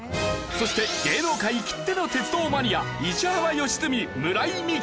そして芸能界きっての鉄道マニア石原良純村井美樹に。